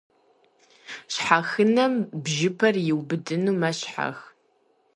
Щхьэхынэм бжьыпэр иубыдыну мэщхьэх.